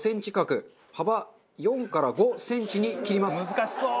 難しそう！